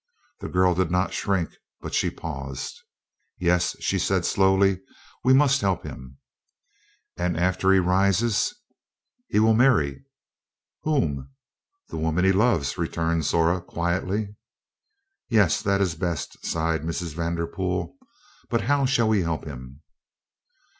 The girl did not shrink, but she paused. "Yes," she said slowly, "we must help him." "And after he rises " "He will marry." "Whom?" "The woman he loves," returned Zora, quietly. "Yes that is best," sighed Mrs. Vanderpool. "But how shall we help him?"